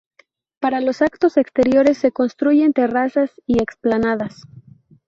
Para los actos exteriores se construyen terrazas y explanadas.